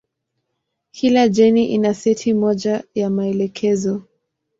Kila jeni ina seti moja ya maelekezo.